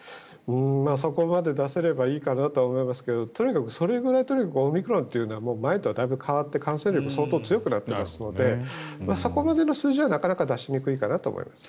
そこまで出せればいいかなと思いますがとにかくそれぐらいオミクロンというのは前とはだいぶ変わって感染力が相当強くなっているのでそこまでの数字はなかなか出しにくいかなと思います。